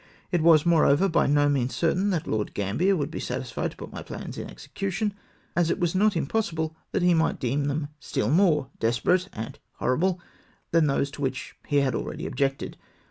It was, more over, by no means certain that Lord Gambler would be satisfied to put my plans in execution, as it was not im possible that he might deem them still more ' despe rate ' and ' horrible ' than those to which he had already objected.